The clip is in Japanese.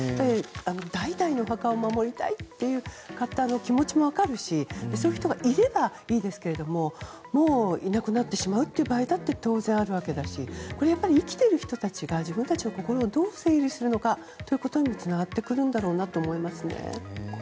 代々のお墓を守りたいという気持ちもわかるしそういう人がいればいいですけれどももういなくなってしまうという場合だって当然あるわけだしこれ、生きてる人たちが自分たちの心をどう整理するのかということにもつながってくるのかなと思いますね。